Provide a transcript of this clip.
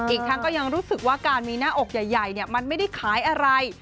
อีกทั้งก็ยังรู้สึกว่าการมีหน้าอกใหญ่มันไม่ได้ขายอะไร